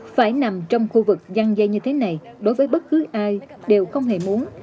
phải nằm trong khu vực gian dây như thế này đối với bất cứ ai đều không hề muốn